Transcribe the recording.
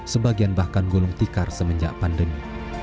sebagian bahkan gulung tikar semenjak pandemi